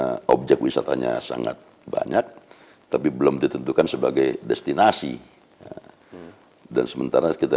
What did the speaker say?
karena objek wisatanya sangat banyak tapi belum ditentukan sebagai destinasi dan sementara kita